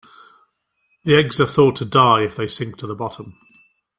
The eggs are thought to die if they sink to the bottom.